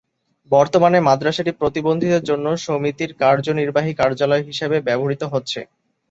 বর্তমানে মাদ্রাসাটি প্রতিবন্ধীদের জন্য সমিতির কার্যনির্বাহী কার্যালয় হিসাবে ব্যবহার হচ্ছে।